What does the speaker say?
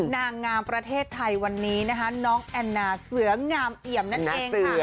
นางงามประเทศไทยวันนี้นะคะน้องแอนนาเสืองามเอี่ยมนั่นเองค่ะ